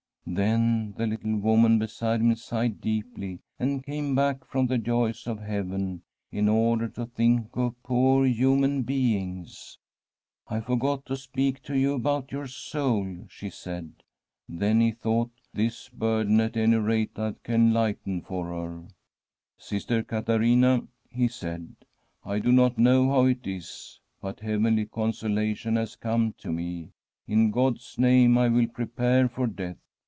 Then the little woman beside him sighed deeply, and came back from the joys of heaven in order to think of poor human beings. * I forgot to speak to you about your soul,* she said. Then, he thought :* This burden, at any rate, I can lighten for her.' ' Sister Caterina,' he said, * I do not know how it is, but heavenly consolation has come to me. In God's name I will prepare for death.